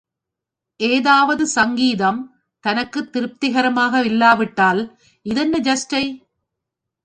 ஏதாவது சங்கீதம் தனக்குத் திருப்திகரமாயில்லாவிட்டால், இதென்ன, ஜஷ்டை!